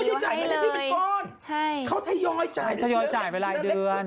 ยูทูปเขาไม่ได้จ่ายเงินอย่างที่เป็นก้อนใช่เขาทะยอยจ่ายทะยอยจ่ายไปรายเดือน